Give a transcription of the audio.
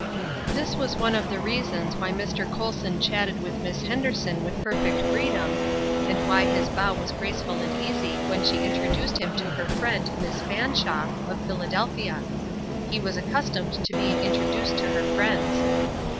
This was one of the reasons why Mr. Colson chatted with Miss Henderson with perfect freedom, and why his bow was graceful and easy when she introduced him to her friend Miss Fanshawe, of Philadelphia. He was accustomed to being introduced to her friends.